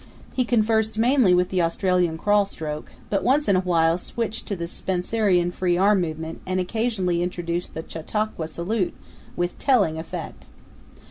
He conversed mainly with the Australian crawl stroke, but once in a while switched to the Spencerian free arm movement and occasionally introduced the Chautauqua salute with telling effect.